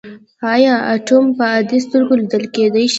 ایا اتوم په عادي سترګو لیدل کیدی شي.